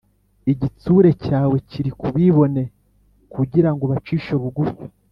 Igitsure cyawe kiri ku bibone Kugira ngo ubacishe bugufi